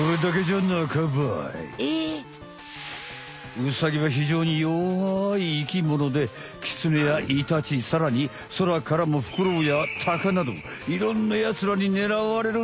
ウサギはひじょうに弱い生きものでキツネやイタチさらにそらからもフクロウやタカなどいろんなやつらに狙われるんだわ！